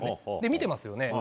見てますよね。